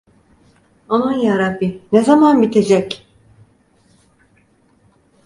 Aman Yarabbi, ne zaman bitecek!